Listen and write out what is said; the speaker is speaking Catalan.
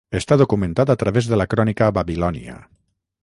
Està documentat a través de la crònica babilònia.